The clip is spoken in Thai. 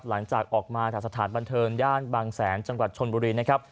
หลังจากออกมาจากสถานบันเทิงย่านบางแสนจังหวัดชนบุรีนะครับ